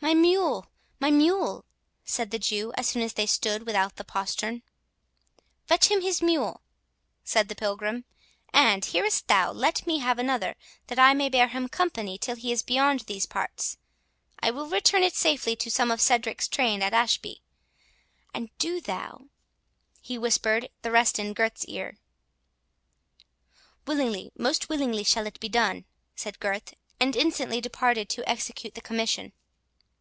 "My mule, my mule!" said the Jew, as soon as they stood without the postern. "Fetch him his mule," said the Pilgrim; "and, hearest thou,—let me have another, that I may bear him company till he is beyond these parts—I will return it safely to some of Cedric's train at Ashby. And do thou"—he whispered the rest in Gurth's ear. "Willingly, most willingly shall it be done," said Gurth, and instantly departed to execute the commission.